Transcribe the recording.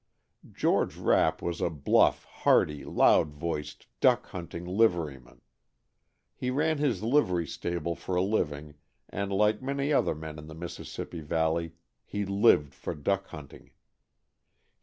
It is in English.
George Rapp was a bluff, hearty, loud voiced, duck hunting liveryman. He ran his livery stable for a living and, like many other men in the Mississippi valley, he lived for duck hunting.